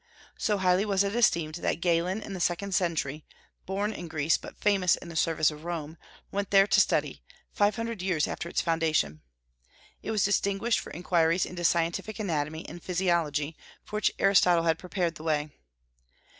So highly was it esteemed that Galen in the second century, born in Greece, but famous in the service of Rome, went there to study, five hundred years after its foundation. It was distinguished for inquiries into scientific anatomy and physiology, for which Aristotle had prepared the way.